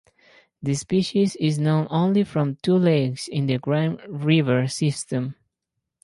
The species is known only from two lakes in the Grime river system.